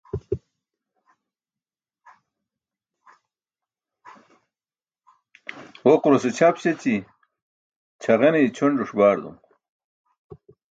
Ġoqurase ćʰap śeći, ćʰagene ićʰonjuṣ baardum.